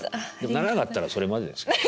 ならなかったらそれまでですからね。